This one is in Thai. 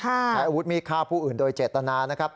ใช้อาวุธมีดฆ่าผู้อื่นโดยเจตนานะครับ